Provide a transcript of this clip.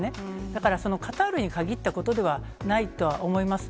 だからそのカタールに限ったことではないとは思います。